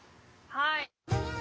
はい。